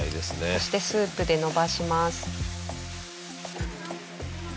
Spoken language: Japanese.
そしてスープで伸ばします。